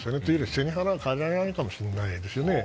背に腹は代えられないかもしれないですね。